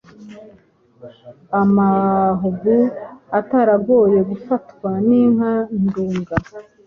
Amahugu ataragoye gufatwa ni nka Nduga,